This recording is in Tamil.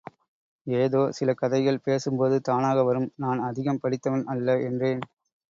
ஏதோ சில கதைகள், பேசும்போது தானாக வரும், நான் அதிகம் படித்தவன் அல்ல, என்றேன்.